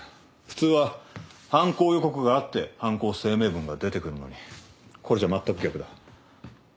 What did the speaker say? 普通は犯行予告があって犯行声明文が出てくるのにこれじゃまったく逆だ。